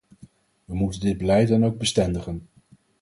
We moeten dit beleid dan ook bestendigen.